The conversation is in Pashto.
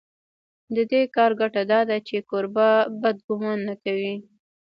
د دې کار ګټه دا ده چې کوربه بد ګومان نه کوي.